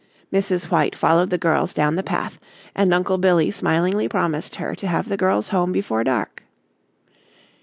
Mrs. White followed the girls down the path and Uncle Billy smilingly promised her to have the girls home before dark.